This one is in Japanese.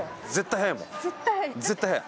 絶対速い。